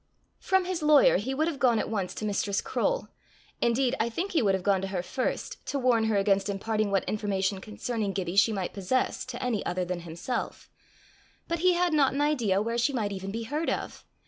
From his lawyer he would have gone at once to Mistress Croale indeed I think he would have gone to her first, to warn her against imparting what information concerning Gibbie she might possess to any other than himself, but he had not an idea where she might even be heard of.